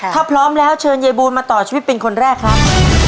ถ้าพร้อมแล้วเชิญยายบูลมาต่อชีวิตเป็นคนแรกครับ